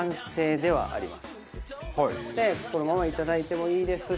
でこのままいただいてもいいですし。